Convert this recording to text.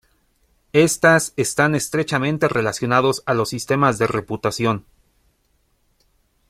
Éstas están estrechamente relacionados a los sistemas de reputación.